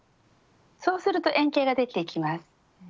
そうすると円形ができてきます。